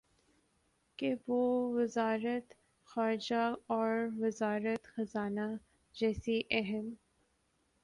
کہ وہ وزارت خارجہ اور وزارت خزانہ جیسی اہم